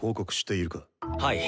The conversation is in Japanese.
はい。